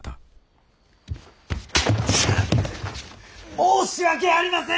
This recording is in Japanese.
申し訳ありません！